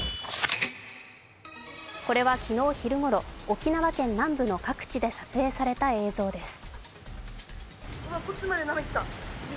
これは昨日昼ごろ、沖縄県南部の各地で撮影された映像です。